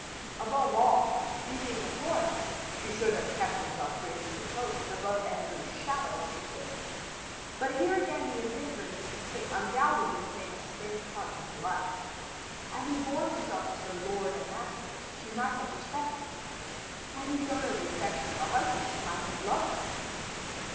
Above all, being a foreigner, she should have kept herself free from reproach and above every shadow of suspicion. But here again the indifference of the king undoubtedly played a strange part in her life. Had he borne himself as her lord and master she might have respected him. Had he shown her the affection of a husband she might have loved him.